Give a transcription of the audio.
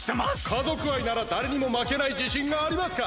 家族愛ならだれにもまけないじしんがありますか？